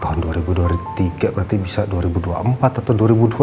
tahun dua ribu dua puluh tiga berarti bisa dua ribu dua puluh empat atau dua ribu dua puluh empat